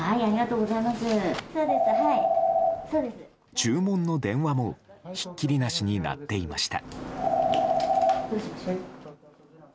注文の電話もひっきりなしに鳴っていました。